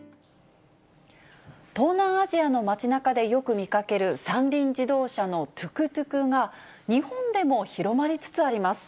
東南アジアの街なかでよく見かける三輪自動車のトゥクトゥクが、日本でも広まりつつあります。